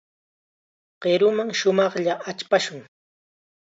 Qiruman shumaqlla achpashun.